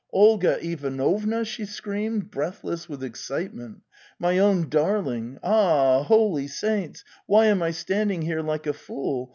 'Olga Ivanovna!"' she screamed, breathless with excitement. '' My own darling! Ah, holy saints, why am I standing here like a fool?